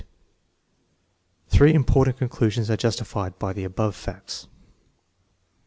Three important conclusions are justified by the above facts: 1.